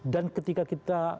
dan ketika kita